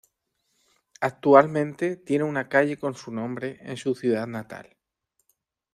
Actualmente tiene una calle con su nombre en su ciudad natal.